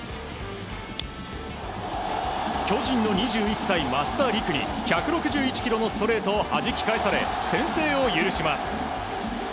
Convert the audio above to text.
巨人の２１歳、増田陸に１６１キロのストレートをはじき返され先制を許します。